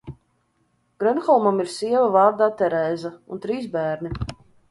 Grenholmam ir sieva vārdā Terēza un trīs bērni.